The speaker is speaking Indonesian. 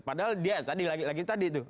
padahal dia tadi lagi tadi tuh